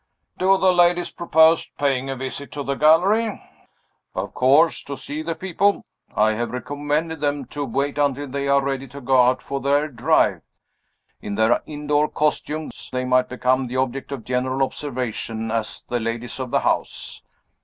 "Do the ladies propose paying a visit to the gallery?" "Of course to see the people! I have recommended them to wait until they are ready to go out for their drive. In their indoor costume they might become the objects of general observation as the ladies of the house.